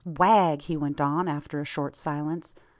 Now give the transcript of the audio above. "Wagh!" he went on, after a short silence.